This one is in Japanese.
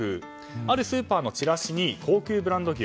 あるスーパーのチラシに高級ブランド牛